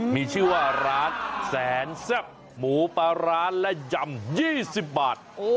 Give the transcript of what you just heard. มีชื่อว่าร้านแสนแซ่บหมูปลาร้าและยำ๒๐บาท